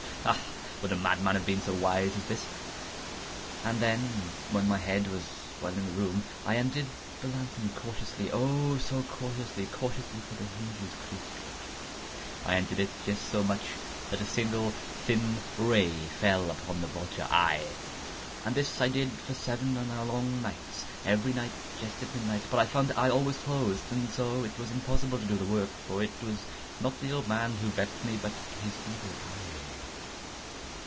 Ha!—would a madman have been so wise as this? And then, when my head was well in the room, I undid the lantern cautiously—oh, so cautiously—cautiously (for the hinges creaked)—I undid it just so much that a single thin ray fell upon the vulture eye. And this I did for seven long nights—every night just at midnight—but I found the eye always closed; and so it was impossible to do the work; for it was not the old man who vexed me, but his Evil Eye.